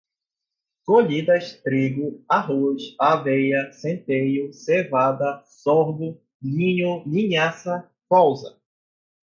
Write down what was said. colhidas, trigo, arroz, aveia, centeio, cevada, sorgo, linho, linhaça, colza